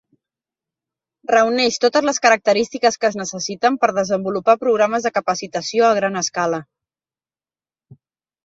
Reuneix totes les característiques que es necessiten per desenvolupar programes de capacitació a gran escala.